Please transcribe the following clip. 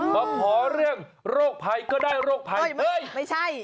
มาขอเรื่องโรคภัยก็ได้โรคภัยไม่ใช่